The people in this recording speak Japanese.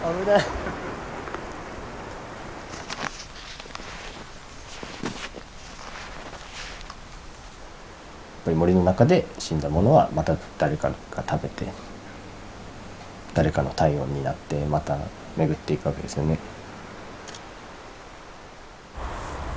やっぱり森の中で死んだものはまた誰かが食べて誰かの体温になってまた巡っていくわけですよね。